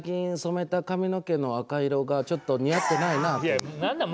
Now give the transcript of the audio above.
最近、染めた髪の毛の赤色が全然似合ってないなって。